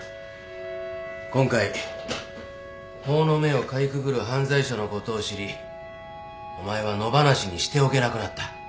今回法の目をかいくぐる犯罪者のことを知りお前は野放しにしておけなくなった。